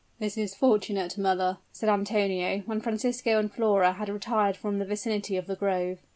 "This is fortunate, mother!" said Antonio, when Francisco and Flora had retired from the vicinity of the grove.